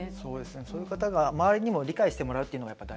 そういう方が周りにも理解してもらうっていうのが大事ですよね。